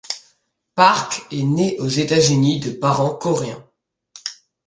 Park est née aux États-Unis de parents coréens.